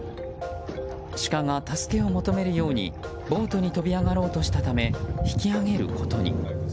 シカが助けを求めるようにボートに飛び上ろうとしたため引き上げることに。